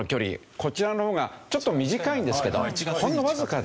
こちらの方がちょっと短いんですけどほんのわずかで。